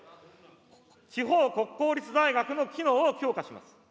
地方国公立大学の機能を強化します。